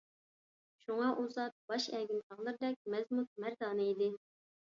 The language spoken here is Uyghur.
شۇڭا ئۇ زات ، باش ئەگىم تاغلىرىدەك مەزمۇت - مەردانە ئىدى .